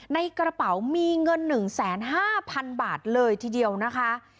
ในกระเป๋ามีเงินหนึ่งแสนห้าพันบาทเลยทีเดียวนะคะ